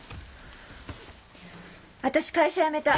私会社辞めた。